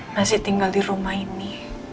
masih tinggal di rumah ini